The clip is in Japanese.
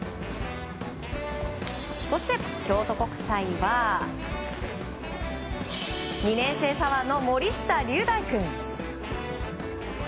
そして京都国際は２年生左腕の森下瑠大君。